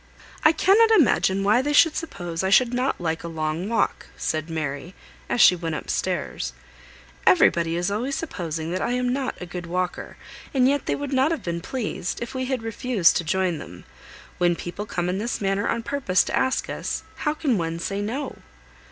"I cannot imagine why they should suppose I should not like a long walk," said Mary, as she went up stairs. "Everybody is always supposing that I am not a good walker; and yet they would not have been pleased, if we had refused to join them. When people come in this manner on purpose to ask us, how can one say no?"